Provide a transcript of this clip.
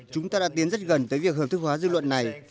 chúng ta đã tiến rất gần tới việc hợp thức hóa dư luận này